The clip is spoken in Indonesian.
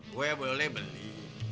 gue boleh beli